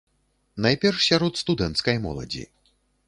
Найперш сярод студэнцкай моладзі.